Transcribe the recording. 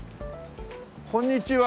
こんにちは。